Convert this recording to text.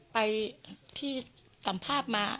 ไปที่กล่ำภาพมา